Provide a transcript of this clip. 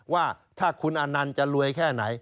ว่าถ้าคุณอนันต์จะรวยแค่ไหน